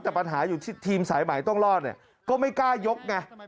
แต่ปัญหาอยู่ที่ทีมสายใหม่ต้องรอดเนี่ยก็ไม่กล้ายกไง